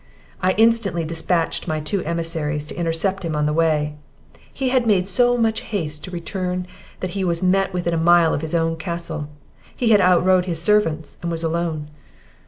"I instantly dispatched my two emissaries to intercept him on the way. He made so much haste to return, that he was met within a mile of his own castle; he had out rode his servants, and was alone.